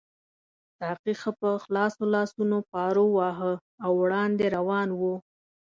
ساقي ښه په خلاصو لاسونو پارو واهه او وړاندې روان وو.